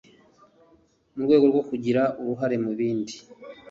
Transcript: mu rwego rwo kugira uruhare mubindi